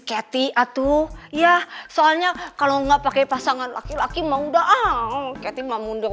cathy atau ya soalnya kalau enggak pakai pasangan laki laki mau daang ketima mundur